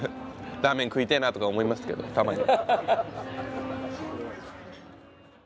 ラーメン食いてえなとか思いますけどたまに。